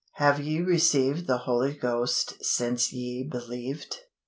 "HAVE YE RECEIVED THE HOLY GHOST SINCE YE BELIEVED?"